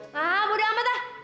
nah mudah amat lah